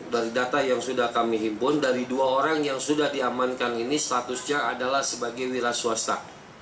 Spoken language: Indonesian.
dari data yang sudah kami himpun dari dua orang yang sudah diamankan ini statusnya adalah sebagai wira swasta